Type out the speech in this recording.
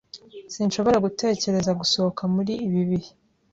Sinshobora gutekereza gusohoka muri ibi bihe.